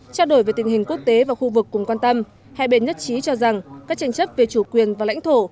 trao đổi về tình hình quốc tế và khu vực cùng quan tâm hai bên nhất trí cho rằng các tranh chấp về chủ quyền và lãnh thổ